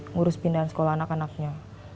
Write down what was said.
ngurus pindahan sekolah anak anaknya